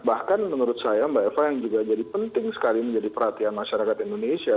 bahkan menurut saya mbak eva yang juga jadi penting sekali menjadi perhatian masyarakat indonesia